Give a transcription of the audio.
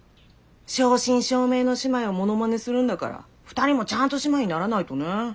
正真正銘の姉妹をモノマネするんだから２人もちゃんと姉妹にならないとね。